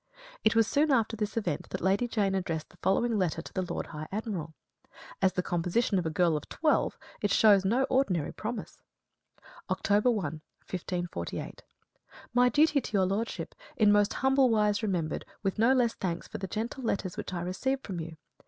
It was soon after this event that Lady Jane addressed the following letter to the Lord High Admiral. As the composition of a girl of twelve it shows no ordinary promise: October 1, 1548. My duty to your lordship, in most humble wise remembered, with no less thanks for the gentle letters which I received from you.